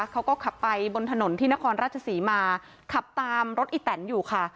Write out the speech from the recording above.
เขาก็ขับไปบนถนนที่นครราชศรีมาขับตามรถอีแตนอยู่ค่ะ